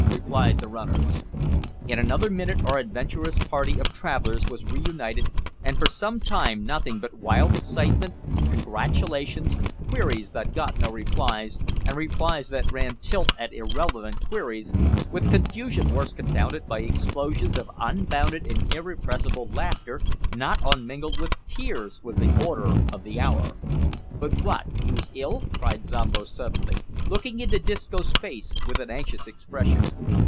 replied the runners. In another minute our adventurous party of travellers was re united, and for some time nothing but wild excitement, congratulations, queries that got no replies, and replies that ran tilt at irrelevant queries, with confusion worse confounded by explosions of unbounded and irrepressible laughter not unmingled with tears, was the order of the hour. "But wat! yoos ill?" cried Zombo suddenly, looking into Disco's face with an anxious expression.